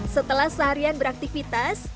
setelah seharian beraktivitas